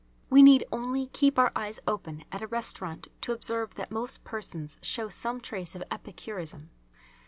We need only keep our eyes open at a restaurant to observe that most persons show some trace of epicurism.